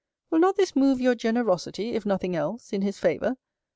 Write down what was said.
Will not this move your generosity (if nothing else) in his favour!